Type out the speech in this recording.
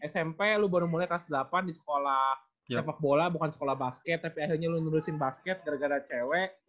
smp lo baru mulai kelas delapan di sekolah sepak bola bukan sekolah basket tapi akhirnya lulusin basket gara gara cewek